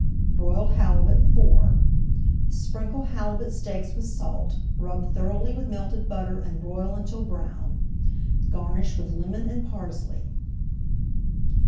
[Page 170] BROILED HALIBUT IV Sprinkle halibut steaks with salt, rub thoroughly with melted butter and broil until brown. Garnish with lemon and parsley.